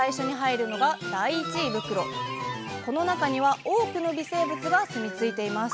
この中には多くの微生物が住み着いています